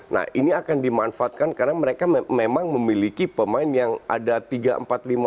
nah ini akan dimanfaatkan karena mereka memang memiliki pemain yang ada tiga empat lima